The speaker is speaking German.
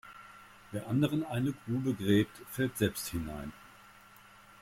Wer anderen eine Grube gräbt, fällt selbst hinein.